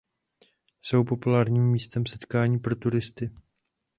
Jsou populárním místem setkání pro turisty.